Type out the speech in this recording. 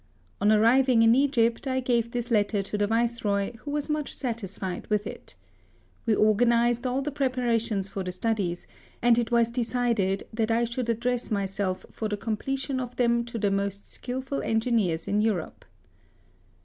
On arriving in Egypt, I gave this letter to the Viceroy, who was much satisfied with it. We organised all the preparations for the studies, and it was decided that I should address myself for the completion of them to the most skilful engineers in Europe.